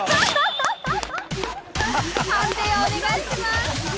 判定をお願いします。